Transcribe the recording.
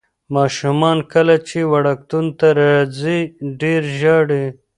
ماشومان کله چې وړکتون ته راځي ډېر ژاړي.